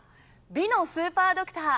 美のスーパードクター